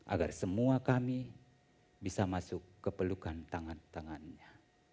agar semua kami bisa masuk ke pelukan tangan tangannya